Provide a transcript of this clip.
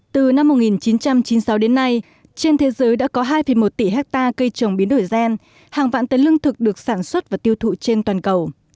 từ năm một nghìn chín trăm chín mươi sáu đến nay trên thế giới đã có hai một tỷ hectare cây trồng biến đổi gen hàng vạn tấn lương thực được sản xuất và tiêu thụ trên toàn cầu